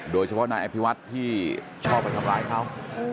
โดยเฉพาะนายอภิวัฒน์ที่ชอบไปทำร้ายเขา